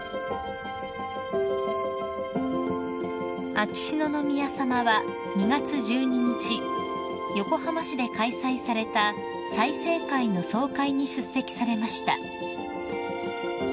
［秋篠宮さまは２月１２日横浜市で開催された済生会の総会に出席されました］